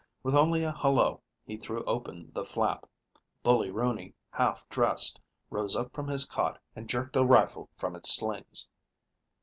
With only a "Hello" he threw open the flap. Bully Rooney, half dressed, rose up from his cot and jerked a rifle from its slings.